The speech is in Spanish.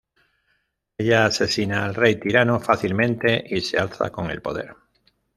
Ella asesina al Rey tirano fácilmente y se alza con el poder.